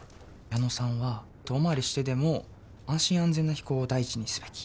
矢野さんは遠回りしてでも安心安全な飛行を第一にすべき。